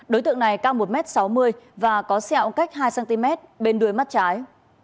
đối tượng này cao một m sáu mươi và có sẹo cách hai cm bên đuôi mắt trái